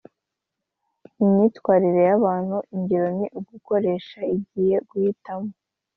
myitwarire y abantu Ingero ni ugukoresha igihe guhitamo